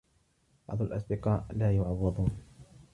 بعض الأصدقاء لا يُعوّضون